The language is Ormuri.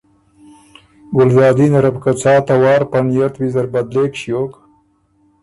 ګلزادینه ره بو که څا ته وار په نئت ویزر بدلېک ݭیوک،